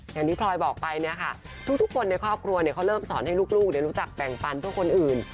อย่างที่พลอยบอกไปเนี่ยค่ะทุกคนในครอบครัวเนี่ยเขาเริ่มสอนให้ลูกเนี่ยรู้จักแบ่งปันทั่วคนอื่น